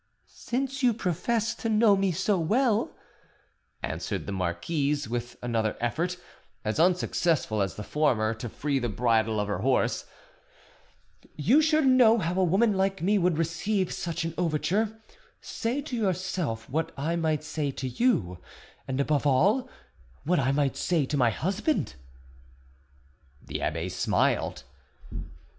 "Since you profess to know me so well," answered the marquise, with another effort, as unsuccessful as the former, to free the bridle of her horse, "you should know how a woman like me would receive such an overture; say to yourself what I might say to you, and above all, what I might say to my husband." The abbe smiled.